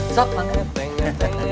sok pak kum